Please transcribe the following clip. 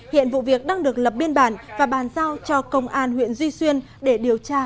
hiện vụ việc đang được lập biên bản và bàn giao cho công an huyện duy xuyên để điều tra